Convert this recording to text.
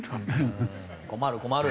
困る困る！